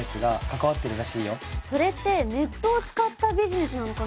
それってネットを使ったビジネスなのかな？